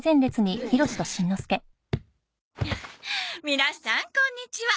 皆さんこんにちは。